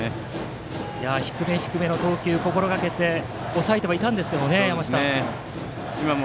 低め低めの投球を心がけて抑えていたんですけどね、山下も。